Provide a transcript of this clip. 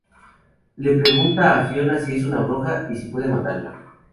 Le pregunta a Fiona si es una bruja y si puede matarla.